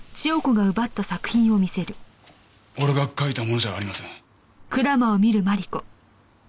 俺が書いたものじゃありません。